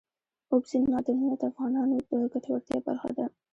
اوبزین معدنونه د افغانانو د ګټورتیا برخه ده.